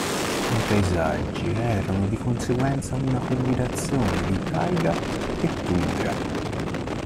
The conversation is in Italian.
I paesaggi erano di conseguenza una combinazione di taiga e tundra.